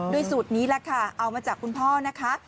สูตรนี้แหละค่ะเอามาจากคุณพ่อนะคะ